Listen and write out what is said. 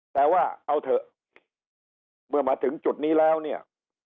แต่ว่าเอาเถอะเมื่อมาถึงจุดนี้แล้วเนี่ย